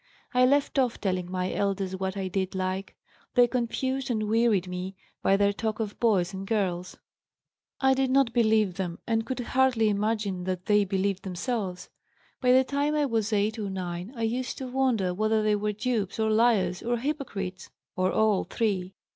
I left off telling my elders what I did like. They confused and wearied me by their talk of boys and girls. I did not believe them and could hardly imagine that they believed themselves. By the time I was 8 or 9 I used to wonder whether they were dupes, or liars, or hypocrites, or all three.